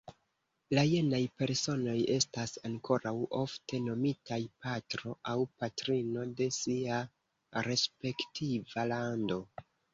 La jenaj personoj estas ankoraŭ ofte nomitaj "Patro" aŭ "Patrino" de sia respektiva lando.